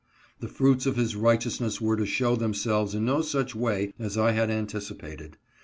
The fruits of his righteousness were to show themselves in no such way as I had anticipated.